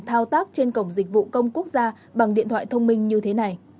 thao tác trên cổng dịch vụ công quốc gia bằng điện thoại thông minh như thế này